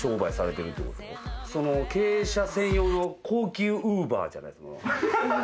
経営者専用の高級ウーバーじゃないですか。